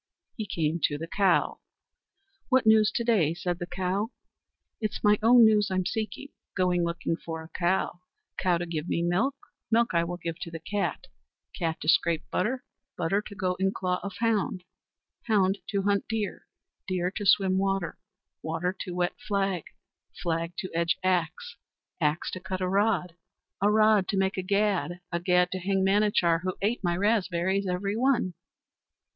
He came to the cow. "What news to day?" said the cow. "It's my own news I'm seeking. Going looking for a cow, cow to give me milk, milk I will give to the cat, cat to scrape butter, butter to go in claw of hound, hound to hunt deer, deer to swim water, water to wet flag, flag to edge axe, axe to cut a rod, a rod to make a gad, a gad to hang Manachar, who ate my raspberries every one."